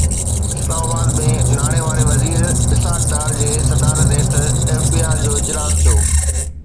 اسلام آباد ۾ ناڻي واري وزير اسحاق ڊار جي صدارت هيٺ ايف بي آر جو اجلاس ٿيو